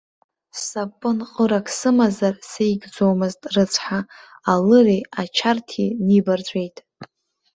Сапынҟырак сымазар сеигӡомызт, рыцҳа, алыреи ачарҭи нибарҵәеит!